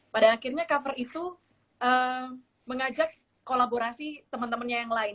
pada akhirnya cover itu mengajak kolaborasi teman temannya yang lain